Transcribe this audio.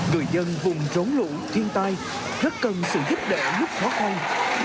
người dân vùng rốn lũ thiên tai rất cần sự giúp đỡ lúc khó khăn